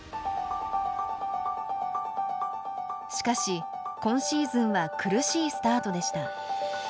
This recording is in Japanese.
しかし今シーズンは苦しいスタートでした。